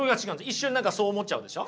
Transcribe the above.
一瞬何かそう思っちゃうでしょ。